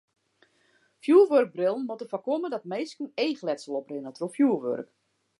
Fjoerwurkbrillen moatte foarkomme dat minsken eachletsel oprinne troch fjoerwurk.